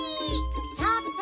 ちょっと！